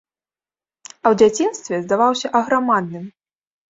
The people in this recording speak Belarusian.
А ў дзяцінстве здаваўся аграмадным.